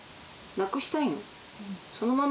なくしたい。